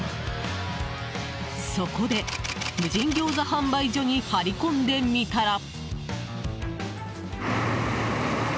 そこで、無人ギョーザ販売所に張り込んでみたら。